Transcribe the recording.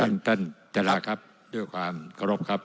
ท่านท่านจราครับด้วยความเคารพครับ